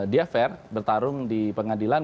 dia fair bertarung di pengadilan